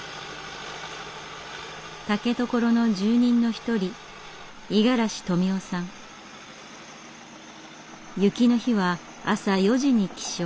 竹所の住人の一人雪の日は朝４時に起床。